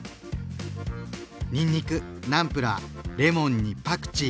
にんにくナムプラーレモンにパクチー。